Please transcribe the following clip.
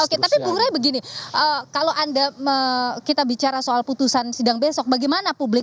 oke tapi bung rey begini kalau anda kita bicara soal putusan sidang besok bagaimana publik